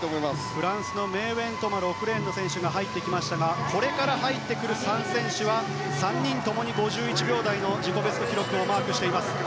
フランスのメーウェン・トマ、６レーン入ってきましたがこれから入ってくる３選手は３人ともに５１秒台の自己ベストをマークしています。